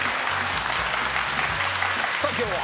さあ今日は？